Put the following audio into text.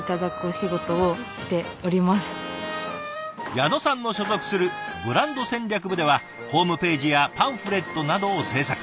矢野さんの所属するブランド戦略部ではホームページやパンフレットなどを制作。